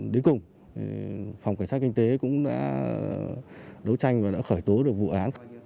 đến cùng phòng cảnh sát kinh tế cũng đã đấu tranh và đã khởi tố được vụ án